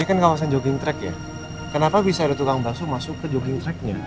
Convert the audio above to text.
ini kan kawasan jogging track ya kenapa bisa ada tukang bakso masuk ke jogging tracknya